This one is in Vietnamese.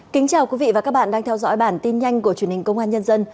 kính chào quý vị và các bạn đang theo dõi bản tin nhanh của truyền hình công an nhân dân